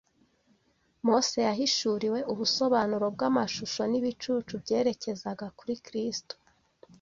Mose yahishuriwe ubusobanuro bw’amashusho n’ibicucu byerekezaga kuri Kristo.